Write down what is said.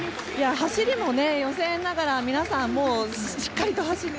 走りも予選ながら皆さんしっかり走って。